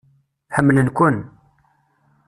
Ḥemmlen-ken.